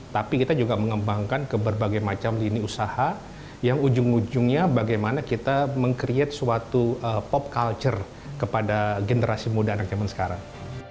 tapi kita juga mengembangkan ke berbagai macam lini usaha yang ujung ujungnya bagaimana kita meng create suatu pop culture kepada generasi muda anak jaman sekarang